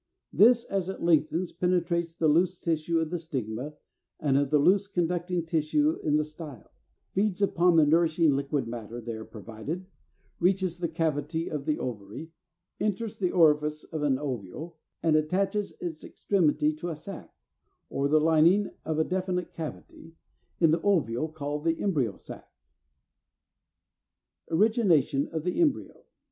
This as it lengthens penetrates the loose tissue of the stigma and of a loose conducting tissue in the style, feeds upon the nourishing liquid matter there provided, reaches the cavity of the ovary, enters the orifice of an ovule, and attaches its extremity to a sac, or the lining of a definite cavity, in the ovule, called the Embryo Sac. 344. =Origination of the Embryo.